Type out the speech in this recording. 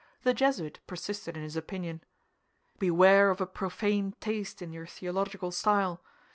The Jesuit persisted in his opinion. "Beware of a profane taste in your theological style.